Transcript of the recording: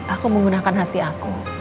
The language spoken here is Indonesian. aku menggunakan hati aku